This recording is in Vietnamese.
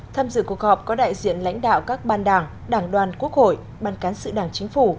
tham dự cuộc họp có đại diện lãnh đạo các ban đảng đảng đoàn quốc hội ban cán sự đảng chính phủ